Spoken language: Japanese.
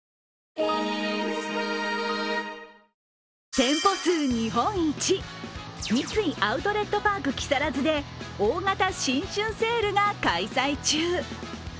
店舗数日本一、三井アウトレットパーク木更津で大型新春セールが開催中。